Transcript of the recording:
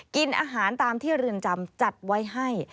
กินอาหารตามที่เรือนจำจัดไว้ให้